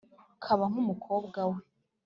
kaba nk’umukobwa we.